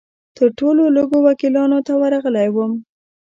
تر ټولو لږو وکیلانو ته ورغلی وم.